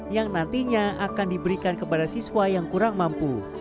yang nantinya akan diberikan kepada siswa yang kurang mampu